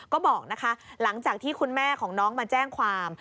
ก็บอกนะคะหลังจากที่คุณแม่ของน้องมาแจ้งความ